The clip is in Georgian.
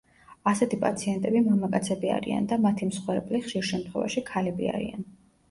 ასეთი პაციენტები მამაკაცები არიან და მათი მსხვერპლი, ხშირ შემთხვევაში, ქალები არიან.